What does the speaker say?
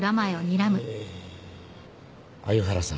え鮎原さん。